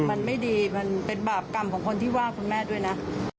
มันไม่ดีมันเป็นบาปกรรมของคนที่ว่าคุณแม่ด้วยนะ